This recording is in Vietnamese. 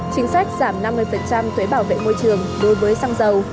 chính sách giảm năm mươi thuế bảo vệ môi trường đối với xăng dầu